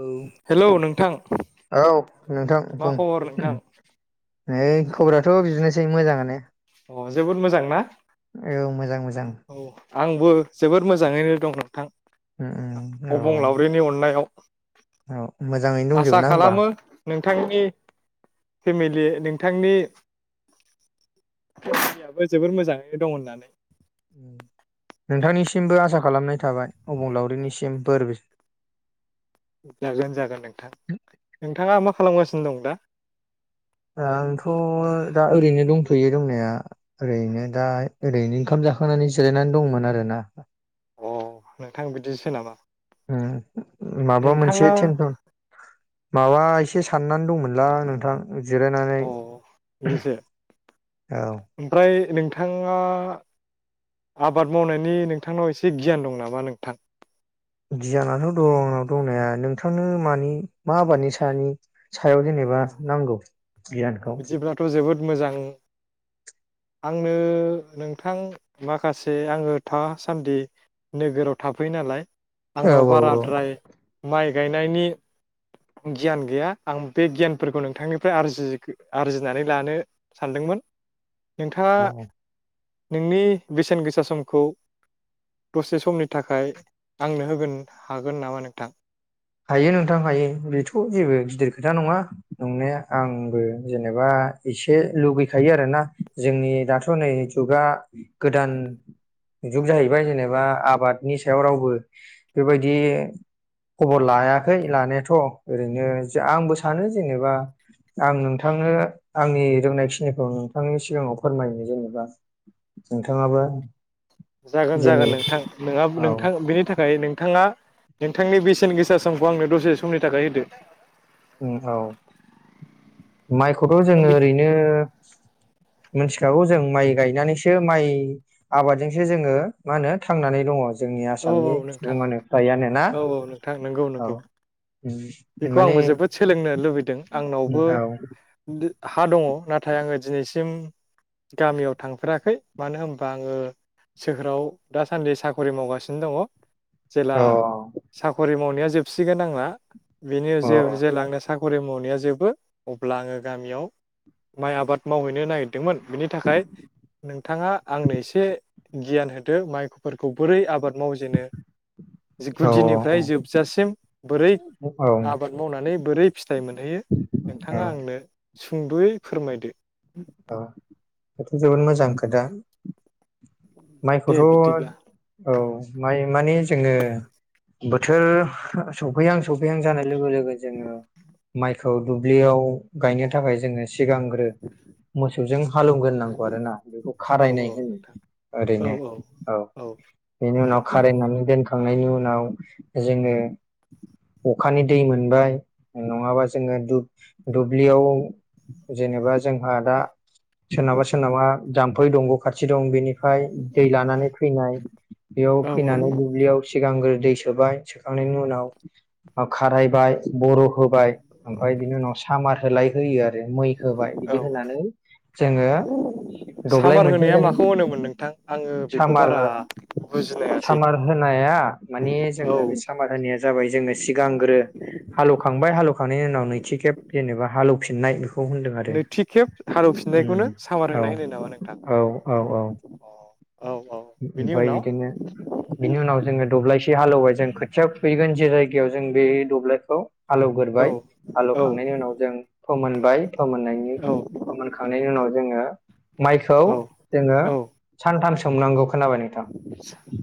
औ हेलौ नोंथां औ नोंथां मा बुं खबर नोंथां? [unintelligible] खबराथ' बिदिनोसै मोजाङानो अ जोबोद मोजां ना औ मोजां मोजां। औ। आंबो जोबोद मोजाङैनो दं नोंथां। उम उम औ अबंलावरिनि अननायाव। औ मोजाङैनो आसा दंजोबो ना होमबा खालामो नों नोंथांनि फेमिलि नोंथांनि याबो जोबोर मोजाङैनो दं होननानै। नोंथांनिसिमबो आसा खालामनाय थाबाय। अबंलावरिनिसिम बोर बि जागोन जागोन नोंथां नोंथाङा मा खालामगासि नो दं दा। आंथ' दा ओरैनो दंथयो दंनाया ओरैनो दा ओरैनो ओंखाम जाखांनानै जिरायनानै दंमोन आरोना। अ नोंथां बिदिसो नामा? उम। माबा मोनसे नोंथाङा थेनसन माबा एसे साननानै दंमोन। हेलौ नोंथां? जिरायनानै अ बिदिसो औ ओमफ्राय नोंथां नोंथाङा आबाद मावनायनि नोंथांनाव एसे गियान दं नामा नोंथां? गियानाथ' दं आंनाव दंनाया नोंथांनो मानि मा आबादनि सानि सायाव जेनेबा नांगौ गियानखौ। बिदिब्लाथ' जोबोद मोजां आंनो नोंथां माखासे आङो थासान्दि नोगोराव थाफैयो नालाय। औ आंनाव औ औ बाराद्राय माइ गायनायनि गियान गैया। आं बे गियानफोरखौ नोंथांनिफ्राय आरजि आरजिनानै लानो सानदोंमोन। नोंथाङा औ नोंनि बेसेन गोसा समखौ दसे समनि थाखाय आंनो होगोन हागोन नामा नोंथां? हायो नोंथां हायो बेथ' जेबो गिदिर खोथा नङा नंनाया आंबो जेनेबा एसे लुगैखायो आरोना जोंनि दाथ' नै जुगा गोदान जुग जाहैबाय जेनेबा आबादनि सायाव रावबो बेबायदि खबर लायाखै लानायाथ' ओरैनो आंबो सानो जेनेबा आं नोंथांनो आंनि रोंनायखिनिखौ नोंथांनि सिगाङाव फोरमायनो जेनेबा नोंथाङाबो जागोन जागोन जेनेबा नोंथां औ नोंहाब-नोंथां बेनि थाखाय नोंथाङा नोंथांनि बेसेन गोसा समखौ आंनो दसे समनि थाखाय होदो। औ माइखौथ' जोंङो ओरैनो मिथिखागौ जों माइ गायनानैसो माइ आबादजोंसो जोंङो मा होनो थांनानै दङ। जोंनि औ औ आसामनि नोंथां सुबुङानो फ्रायानोना औ औ नोंथां नंगौ औ नंगौ अम बेखौ माने आंबो जोबोद सोलोंनो लुबैदों आंनावबो औ हा दंङ नाथाय आंङो दिनैसिम गामियाव थांफेराखै मानो होनबा आंङो सोहोराव दासान्दि साखरि मावगासि नो दंङ। जेला औ साखरि मावनाया जो बसिगोन आंना बिनि औ जे-जेलांनो सा खरि मावनाया जोबो अब्ला आंङो गामियाव माइ आबाद मावहैनो नागिरदोंमोन बेनि थाखाय नोंथाङा आंनो एसे गियान होदो माइफोरखौ बोरै आबाद मावजेनो औ गुदिनिफ्राय जोबजासिम बोरै औ आबाद मावनानै बोरै फिथाय मोनहैयो औ नोंथाङा आंनो सुंदयै फोरमायदो। औ बेथ जोबोद मोजां आदा दे माइखौथ बिदिब्ला औ माइ माने जोंङो बोथोर सौफैहां-सफैहां जानाय लोगो लोगो जोंङो माइखौ दुब्लियाव गायनो थाखाय जोंङो सिगांग्रो मोसौजों हालौवग्रोनांगौ आरोना बेखौ औ खारायनाय औ होनो नोंथां ओरैनो औ बेनि उनाव खारायनानै दोन खांनायनि उनाव जोंङो अखानि दै मोनबाय नङाबा जोंङो दुब-दुब्लियाव जेनेबा जों दा सोरनाबा-सोरनाबा जाम फै दंग खा खाथि दं बेनिफ्राय दै लानानै फैनाय बेयाव औ फैनानै दुब्लियाव सिगांग्रो दै सोबाय सोखांनायनि उनाव खारायबाय बर होबाय ओमफ्राय बिनि उनाव सामार लाय होयो आ मै होबाय औ बिदि होनानै जोङो दब्लाय सामार मोनसे होनाया जों माखौ होनोमोन नोंथां आङो बेखौ सामार बारा बुजिलायासै सामार होनाया माने औ जोङो बे सामार होनाया जाबाय जोङो सिगांग्रो हालेवखांबाय हाल खांनायनि उनाव नैथि खेब जेनबा हालौफिननाय खौ होनदों आरो थि खेब उम हालौफिननायखौनो सामार औ होनाय होनो नामा नोंथां औ अ औ औ बेनि ओमफ्राय उनाव बिदिनो बिनि उनाव जोङो दब्लायसे हालेवबाय जों खोथिया फुहैगोन जे जायगायाव जों बे दब्लायखौ औ हालौग्रोबाय औ हालौखांनायनि उनाव जों फोमोनबाय फोमोननायनि औ फोमोनखांनायनि उनाव जोङो माइखौ औ जोङो औ सानथामसो सोमनांगौ खोनाबाय नोंथां?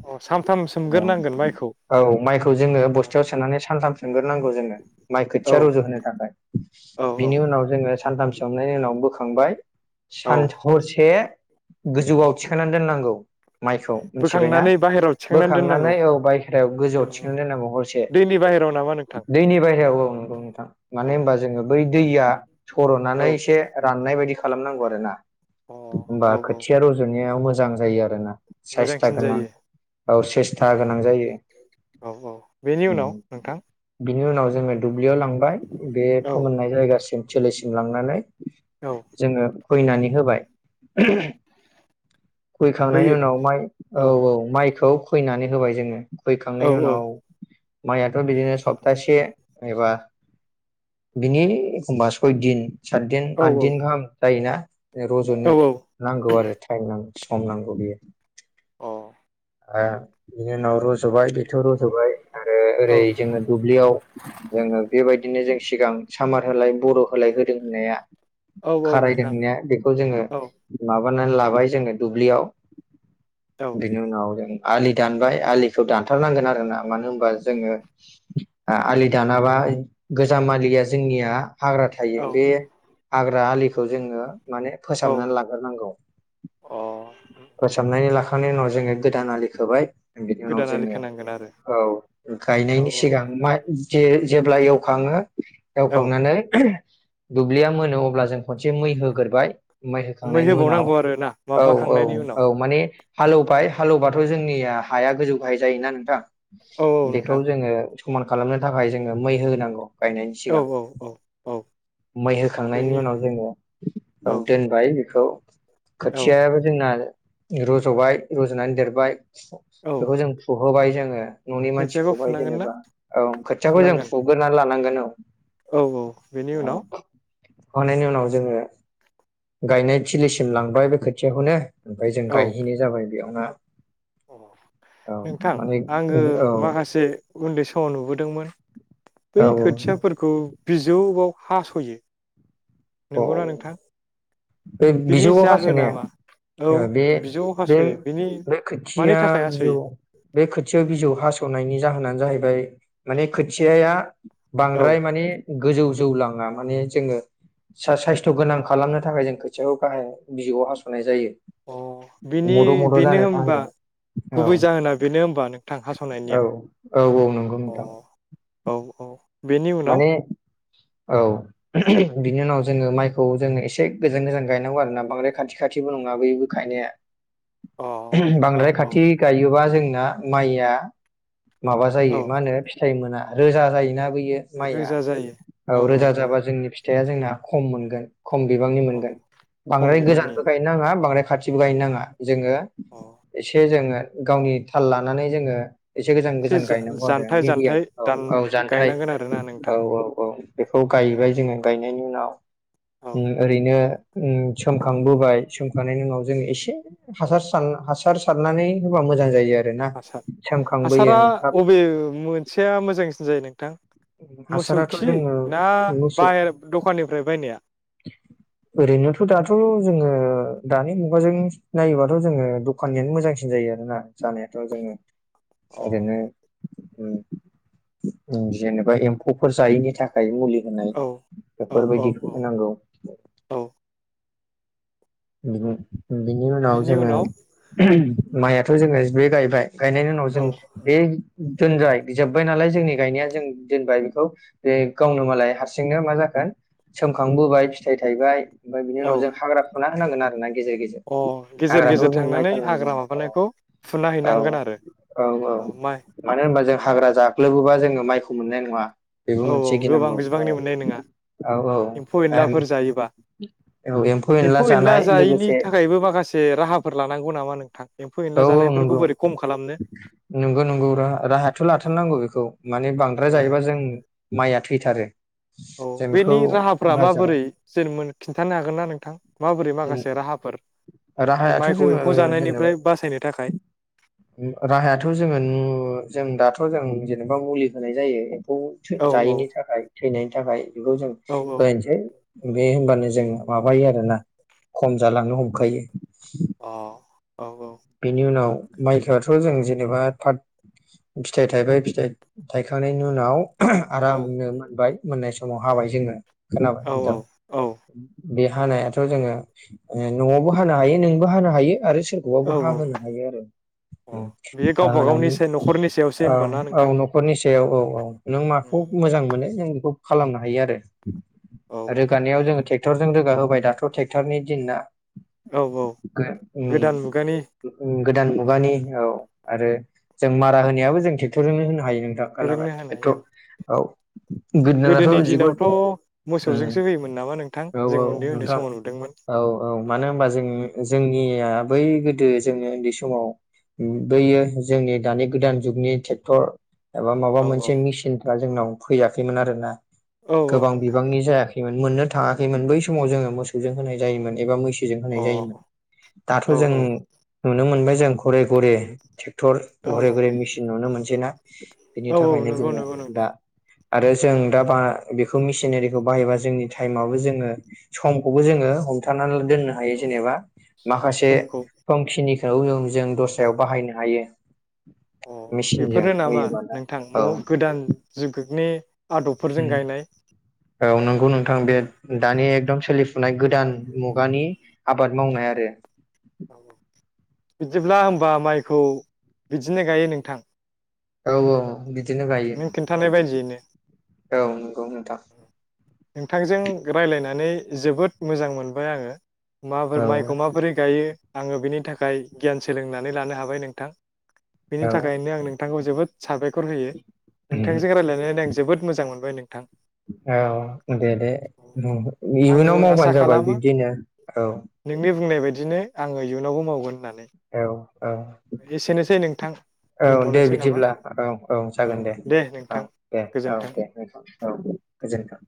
अ सानथाम औ सोमगोरनांगोन माइखौ औ माइखौ जोङो औ बस्थायाव सोनानै सानथाम सोमगोरनांगौ जोङो माइ औ खोथिया रज होनो थाखाय औ बिनि उनाव जोङो सानथाम सो मनायनि उनाव बोखांबाय औ सानहरसे गोजौआव थिखांना दोननांगौ माइखौ मिथिबायना बोखांनानै बाहेरायाव थिखांनानै बोखांनानै औ दोननांगौ बायहेरायाव गोजौआव थिखोनानै दोननांगौ हरसे दैनि बाहेराव नामा नोंथां? दैनि बायेरायाव औ नंगौ नोंथां अ मानो होनबा जोङो औ बै औ दैया औ सर'नानै राननाय बाय दि खालामनांगौ आरो ना। होमबा अ औ औ खोथिया रज'नायाव मोज जां जायो आरो ना मोजांसिन जायो औ सेस्था गोनां जायो औ औ बेनि उनाव नोंथां। बेनि उनाव जोंङो दु ब्लियाव लांबाय बे औ फोमोननाय जायगासिम जोलैसिम लांनानै औ जोङो फैनानै होबाय फैखांनायनि फैयो उनाव माइ औ औ माइखौ फैनानै होबाय जोङो औ फैखांनायनि औ उनाव माइयाथ' बिदिनो सप्तासे एबा बिनि एखमबा सयदिन सातदिन औ आददिन गाहाम जायोना रज'नो औ नांगौ आरो टाइम नांगौ सम नांगौ बियो औ बिनि उनाव रज'बाय बेथ रजबाय आरो ओरै जोङो दुब्लियाव जोङो बेबायदि बिदिनो जों सिगां सामार होलाय बर' होलाय होदों होननाया औ औ खारायदों नोंथां होननाया बेखौ जोङो औ माब माबानानै लाबाय जोङो दुब्लियाव औ बिनि उनाव जों आलि दानबाय आलिखौ दानथारनांगोन आरोना मानो होनबा जोङो आलि दानाबा गोजाम आलिया जोंनिया हाग्रा थायो औ बे हाग्रा आलिखौ जोङो माने औ फोसाबनानै लाग्रोनांगौ अ फोसाबनायनि ला बिनि उनाव जोङो गोदान आलि खोबाय बिनि उनाव गोदान आलि जोङो खोनांगोन आरो औ औ गायनायनि सिगां माइ जे जेब्ला एवखाङो औ एवखांनानै दुब्लिया मोन अब्ला जों खनसे मै होग्रोबाय मै होखांनायनि उनाव होबावनांगौ आरो ना औ औ माबाखांनायनि उनाव औ माने हालेवबाय हालेवबाथ' जोंनिया हाया गोजौ गाहाय जायोना नोंथां औ औ बेखौ नोंथां जोङो समान खालामनो थाखाय जोङो मै होनांगौ गायनायनि औ सिगां औ औ औ मै बेनि उनाव जोङो औ दोनबाय बेखौ औ खोथियाबो जोंना रज'बाय रज'नानै देरबाय औ बेखौ जों फुहोबाय जोङो न'नि खोथियाखौ मानसिखौहाय फुनांगोन ना जेनेबा औ खोथियाखौ जों फुनांगोन फुग्रोनना लानांगोन [unintelligible] औ औ। बेनि उनाव। हनायनि उनाव जोङो। गायनाय थिलिसिम लांबाय बे खोथियाखौ नो। ओमफाय जों औ गायहैनाय जाबाय बेयाव ना [inaudible] नोंथां आङो औ माखासे उन्दै समाव नुबोदोंमोन औ बै खोथियाफोरखौ। बिजौआव हासयो। नंगौना [unintelligible] नोंथां बे बिनि बिजौआव जाहोना हासायनाया मा औ बे बिजौआव बे हास'यो बिनि खोथि मानि खोथिया थाखाय बिजौ हास'यो बे खोथिया बिजौ हास'नायनि जा होनानो जाहैबाय माने खोथियाया औ बांद्राय मानि गोजौ जौ लाङा माने जोङो। सा साइस्थ गोनां खालामनो थाखाय जों खोथियाखौ गाहाय बिजौआव हासनाय जायो। अ बिनि मद' मद' बेनो जानो होनबा थाखाय औ गुबै जाहोना बेनो होनबा नोंथां हासनायनिया औ औ औ नंगौ अ। नोंथां औ औ। बेनि उनाव माने औ। बिनि उनाव जोङो माइखौ जोङो एसे गोजान गोजान गायनांगौ आरोना बांद्राय खाथि खाथिबो नङा बेबो गायनाया। अ औ बांद्राय औ खाथि गायोबा जों। ना माइया। माबा औ जायो मा होनो फिथाइ मोना। रोजा जायोना बै माइआ औ रोजा जाबा जोंनि फिथाइया जोंना खम मोनगोन। खम बिबांनि औ मोनगोन खम बांद्राय बिबांनि गोजानबो गायनो नाङा बांद्राय खाथिबो गायनो नाङा। जोङो अ एसे जोङो। गावनि थाल लानानै जोङो। एसे गोजान गोजान गायनांगौ आरो जा-जानथाय मिडियाम जानथाय औ दान औ जानथाइ। गायनांगोन आरोना औ नोंथां औ औ बेखौ गायबाय जोङो गायनायनि उनाव औ ओरैनो उम सोमखांबोबाय सोमखांनायनि उनाव जों एसे हासार हासार सारनानै होबा मोजां जायो आ हासार हासारा अबे मोनसेया मोजांसिन जायो नो थां। मोसौ हासाराथ' खि जोङो ना मोसौ बाहेर दखाननिफ्राय बायनाया। ओरैनोथ दाथ जोङो दानि मुगाजों नायोबाथ जोङो दखाननियानो मोजांसिन जायो आरो ना जानायाथ जोङो औ ओरैनो जेनेबा एम्फौफोर जायैनि थाखाय मुलि होनाय औ औ बेफोरबायदि औ औ [inaudible] [unintelligible] बिनि उनाव जोङो माइआथ जोङो जि गायबाय गायनायनि उनाव जों औ बे दोनबाय जोब्बाय नालाय जोंनि गायनाया जों दोनबाय बेखौ बे गावनो मालाय हारसिंनो मा जागोन सोमखांबोबाय फिथाइ थायबाय ओमफ्राय बिनि औ उनाव जों हाग्रा फुना होनांगोन आरो ना गेजेर अ गेजेर गेजेर हाग्राखौ गेजेर जों थांनानै नायथारनांगौ हाग्रा औ माबानायखौ फुना औ हैनांगोन आरो औ औ अ माइ मानो होनबा जों हाग्रा जाग्लोबोबा जोङो माइखौ मोननाय नङा बेबो औ औ मोनसे गोबां गिनांगौ बिबांनि मोननाय नङा औ औ एम्फौ एनलाफोर जायोबा औ औ एम्फौ एनला जायैनि थाखायबो माखासे राहाफोर लानांगौ ना नामा नोंथां एम्फौ एनला औ औ जानायफोरखौ नंगौ बोरै खम खालामनो नंगौ नंगौ राहायाथ' लाथारनांगौ बेखौ माने बांद्राय ओ जायोबा जों माइया थैथारो औ जों बेखौ बेनि राहाफ्रा बाजाराव माबोरै जेन खिन्थानो हागोन ना नोंथां माबोरै माखासे राहाफोर राहायाथ' माइखौ जोङो एम्फौ जेनेबा जानायनिफ्राय बासायनो थाखाय राहायाथ' जेन'बा मुलि होनाय जायो खौ औ औ जायैनि थाखाय थैनायनि जाबाय औ औ [unintelligible] बे होनबानो जों माबायो आरोना खम जालांनो हमखायो अ औ बेनि उनाव माइखौआथ' जों जेनेबा फाथ फिथाइ थायबाय फिथाइ थायखांनायनि उनाव औ आरामनो मोनबाय मोननाय समाव हाबाय जोङो खोनाबाय औ नोंथां? औ बे हानायाथ' जोङो न'आवबो हानो हायो नोंबो हानो हायो आरो सोरखौबाबो हा औ होनो हायो आरो अ उम बेयो हा गावबा गावनि होनानै से न'खरनि सायावसो औ होनबाना औ नोंथां न'खरनिसो ए औ औ नों माखौ मोजां मोनो? जों बेखौ खालामनो हायो आरो। औ औ रोगानायाव नोंथां जोङो टेक्टरजों रोग जा होबाय दाथ' टेक्टरनि दिनना औ औ गोदान मुगानि गोदान मुगानि औ आरो जों मारा होनायाबो जों टेक्टरजोंनो होनो हायो नोंथां खोनाबाय फोरोंनो होनाय एथ' औ औ गोदोनाथ' गोदोनि जिगु दिनावथ' उम मोसौजोंसो होयोमोन नामा नोंथां औ जों औ उन्दै उन्दै नोंथां समाव नुदोंमोन औ औ मानो होनबा जों जोंनिया बै गोदो जोङो उन्दै समाव बैयो जोंनि दानि गोदान जुगनि टेक्टर एबा माबा औ औ मोनसे मिसिनफ्रा जोंनाव फैयाखैमोन आरो ना। औ औ गोबां नोंथां बिबांनि जायाखैमोन। मोननो थाङाखैमोन बै समाव जोङो मोसौजों होनाय जायोमोन। एबा मैसोजों अ होनाय औ जायोमोन दाथ' औ जों नुनो मोनबाय जों घरे घरे टे क्टर औ घरे घरे मेसिन नुनो मोनसै ना? बिनि औ औ थाखायनो नंगौ जोङो नंगौ दा नोंथां आरो जों दा बा बेखौ मेसिनारिखौ बाहायबा जोंनि टाइमाबो जोङो समखौबो जोङो हमथानानै दोननो हायो औ जेनेबा माखासे समखौ खिनिखौ जों औ दस्रायाव बाहायनो हायो। अ मेसिनजों बेफोरनो नामा होयोबा दा नोंथां औ गोदान जुगनि आदबफोरजों गायनाय औ नंगौ नों थां बे औ दानि एकदम सोलि फुनाय गोदान मुगानि आबाद मावनाय आरो औ बिदिब्ला होनबा माइखौ बिदिनो गायो नोंथां। औ औ बिदिनो। गायो नों खिन्थानाय बायदियैनो। औ नंगौ ओं। नोंथांजों राय्लायनानै। जोबोद मोजां मोनबाय आङो। माफोर औ माइखौ माबोरै गायो। आङो बिनि थाखाय गियान सोलोंनानै लानो हाबाय नोंथां। बेनि औ थाखायनो आं नोंथांखौ जोबोद साबायखर। खर होयो। नोंथांजों रायज्लायनानै आं जोबोद। मोजां मोनबाय नोंथां। औ दे दे आङो इयुनाव आसा मावबानो जाबाय खालामो बिब्दिनो औ। बिदिनो आङो इयुनावबो मावगोन होननानै औ। औ एसेनोसै नोंथां औ दे दोनथ'नोसै नामा बिदिब्ला औ औ जागोन दे औ दे औ गोजोन्थों दे नोंथां औ गोजोन्थों।